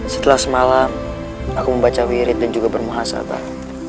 setelah semalam aku membaca wirid dan juga bermuha sabar